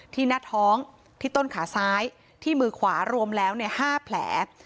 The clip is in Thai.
หน้าท้องที่ต้นขาซ้ายที่มือขวารวมแล้ว๕แผล